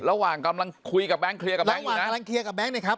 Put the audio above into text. ระหว่างกำลังคุยกับแบงค์เคลียร์กับแบงค์อยู่นะ